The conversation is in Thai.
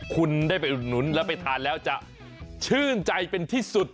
ใครเป็นที่สุด